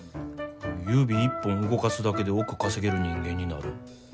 指一本動かすだけで億稼げる人間になる。